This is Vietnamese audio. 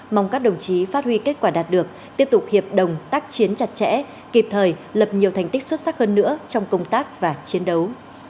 mong các đồng chí phát huy kết quả đạt được tiếp tục hiệp đồng tác chiến chặt chẽ kịp thời lập nhiều thành tích xuất sắc hơn nữa trong công tác và chiến đấu